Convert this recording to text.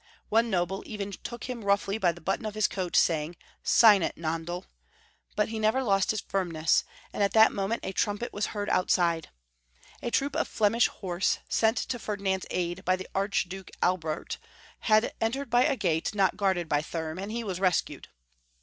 One noble even took him rouglily by the button of Ids coat, saving, " Sign it, Nandel !" but he never lost his firmness, and at that moment a trumpet was heard outside. A troop of Flemish horse, sent to Ferdinand's aid by the Archduke Albert, had entered by a gate not guarded by Thurm, and he was rescued.